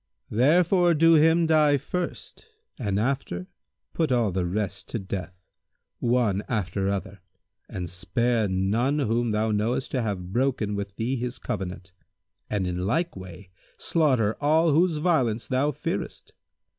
Therefore do him die first and after put all the rest to death, one after other, and spare none whom thou knowest to have broken with thee his covenant; and in like way slaughter all whose violence thou fearest.